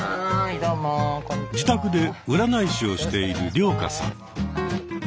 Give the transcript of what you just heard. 自宅で占い師をしている涼香さん。